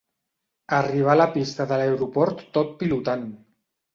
Arribar a la pista de l'aeroport tot pilotant.